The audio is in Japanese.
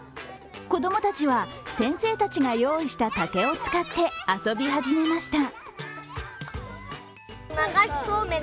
子供たちは先生たちが用意した竹を使って遊び始めました。